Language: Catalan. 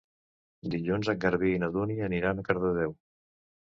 Dilluns en Garbí i na Dúnia aniran a Cardedeu.